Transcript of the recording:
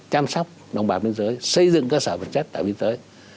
chăm sóc đồng bào biên giới xây dựng cơ sở vật chất tại biên giới